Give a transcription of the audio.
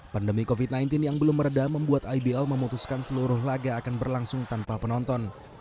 pandemi covid sembilan belas yang belum meredah membuat ibl memutuskan seluruh laga akan berlangsung tanpa penonton